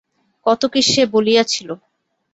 কত কী সে বলিয়াছিল।